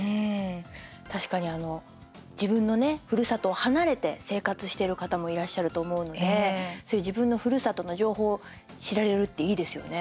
確かに、自分のねふるさとを離れて生活してる方もいらっしゃると思うので自分のふるさとの情報を知れるっていいですよね。